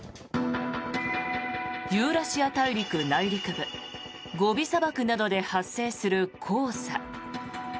ユーラシア大陸内陸部ゴビ砂漠などで発生する黄砂。